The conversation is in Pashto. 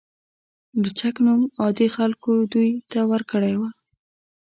لوچک نوم عادي خلکو دوی ته ورکړی و.